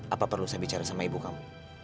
apa perlu saya bicara sama ibu kamu